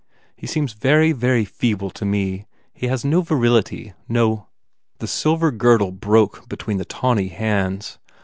He seems very, very feeble to me. He has no virility, no " The silver girdle broke between the tawny hands.